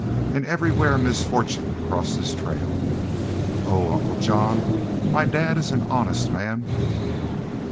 And everywhere misfortune crossed his trail.... But, oh, Uncle John, my dad is an honest man."